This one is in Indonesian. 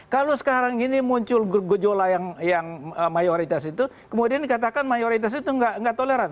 kalau sekarang ini muncul gejola yang mayoritas itu kemudian dikatakan mayoritas itu nggak toleran